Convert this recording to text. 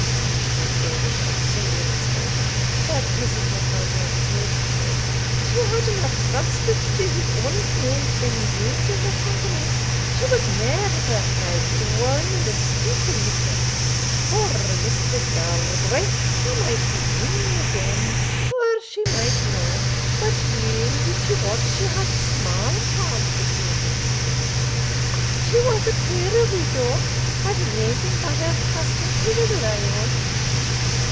The English officer remonstrated, but Mrs. MacAlpine declared, if "she hadna trusted to his honour's name being used in their company, she wad never hae drawn them a stoup o' liquor; for Mr. Galbraith, she might see him again, or she might no, but weel did she wot she had sma' chance of seeing her siller and she was a puir widow, had naething but her custom to rely on."